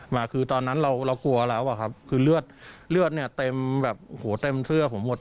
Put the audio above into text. มาคือตอนนั้นเราเรากลัวแล้วอะครับคือเลือดเลือดเนี่ยเต็มแบบโอ้โหเต็มเสื้อผมหมด